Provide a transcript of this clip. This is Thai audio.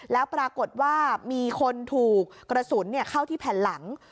แล้วปรากฏว่ามีคนถูกกระสุนเข้าที่แผ่นหลัง